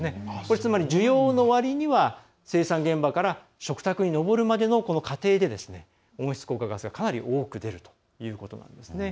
つまり需要の割には生産現場から食卓に上るまでの過程で温室効果ガスが、かなり多く出るということなんですね。